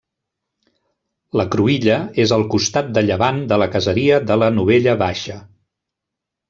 La cruïlla és al costat de llevant de la caseria de la Novella Baixa.